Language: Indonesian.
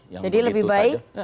jadi lebih baik